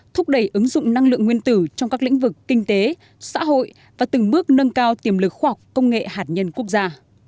thúc đẩy ứng dụng năng lượng nguyên tử trong các lĩnh vực kinh tế xã hội và từng bước nâng cao tiềm lực khoa học công nghệ hạt nhân quốc gia